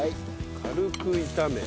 軽く炒め。